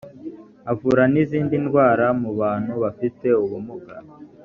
avura n’izindi ndwara mu bantu bafite ubumuga